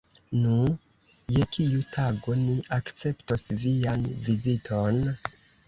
Nu, je kiu tago ni akceptos vian viziton?